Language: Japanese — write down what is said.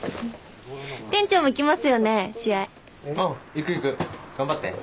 行く行く。頑張って。